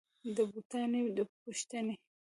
د بوټاني پوښتني